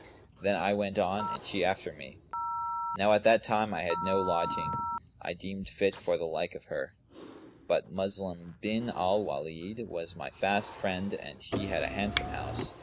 Then I went on and she after me. Now at that time I had no lodging I deemed fit for the like of her; but Muslim bin al Walνd[FN#183] was my fast friend, and he had a handsome house.